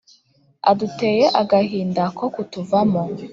Aduteye agahinda ko kutuvamo